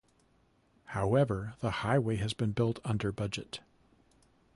However, the highway has been built under-budget.